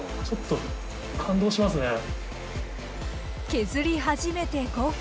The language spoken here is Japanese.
削り始めて５分。